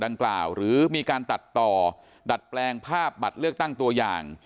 หรือมีการตัดต่อดัดแปลงภาพบัตรเลือกตั้งตัวอย่าง